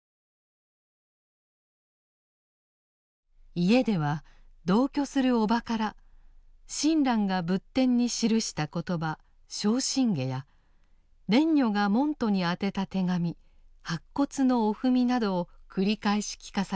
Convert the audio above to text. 家では同居する伯母から親鸞が仏典に記した言葉「正信偈」や蓮如が門徒に宛てた手紙「白骨の御文」などを繰り返し聞かされ